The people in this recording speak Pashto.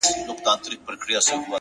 مثبت فکر د ذهن رڼا زیاتوي؛